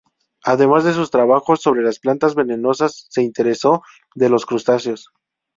Además de sus trabajos sobre las plantas venenosas, se interesó de los crustáceos.